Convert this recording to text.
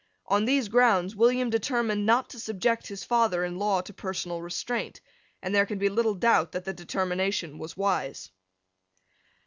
On these grounds William determined not to subject his father in law to personal restraint; and there can be little doubt that the determination was wise.